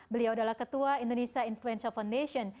beliau adalah ketua indonesia influenza foundation